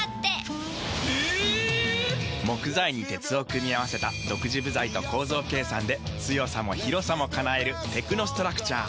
木材に鉄を組み合わせた独自部材と構造計算で強さも広さも叶えるテクノストラクチャー。